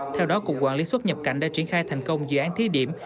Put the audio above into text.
theo đó cục quản lý xuất nhập cảnh đã triển khai thành công dự án thí điểm